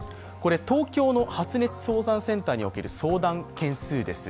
東京の発熱相談センターにおける相談件数です。